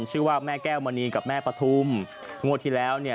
ชื่อว่าแม่แก้วมณีกับแม่ปฐุมงวดที่แล้วเนี่ย